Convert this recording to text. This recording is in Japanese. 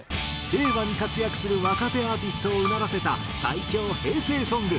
令和に活躍する若手アーティストをうならせた最強平成ソング。